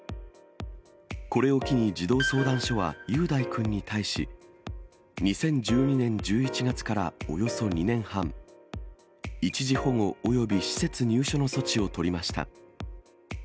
これを機に児童相談所は雄大君に対し、２０１２年１１月からおよそ２年半、一時保護および施設入所の措置を取りました。